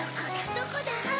どこだ？